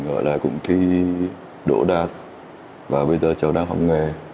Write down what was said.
gọi là cụm thi đỗ đạt và bây giờ cháu đang học nghề